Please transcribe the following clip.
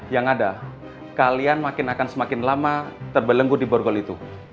yang ada kalian makin akan semakin lama terbelenggu di borgol itu